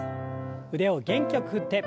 腕を元気よく振って。